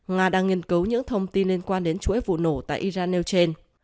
nga đang nghiên cấu những thông tin liên quan đến chuỗi vụ nổ tại iran eutane